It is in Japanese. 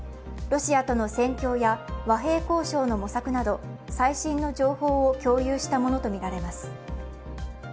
ロシアとの戦況や和平交渉の模索など最新の情報を共有したものとみられます。